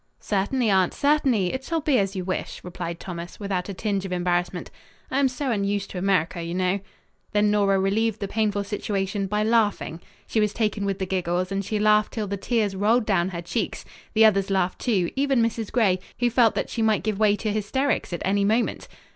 "Certainly, aunt, certainly; it shall be as you wish," replied Thomas, without a tinge of embarrassment. "I am so unused to America, you know." Then Nora relieved the painful situation by laughing. She was taken with the giggles and she laughed till the tears rolled down her cheeks. The others laughed, too, even Mrs. Gray, who felt that she might give way to hysterics at any moment.